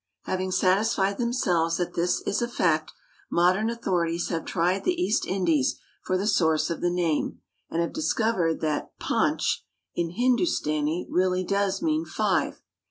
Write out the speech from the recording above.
Having satisfied themselves that this is a fact, modern authorities have tried the East Indies for the source of the name, and have discovered that panch in Hindustani really does mean "five."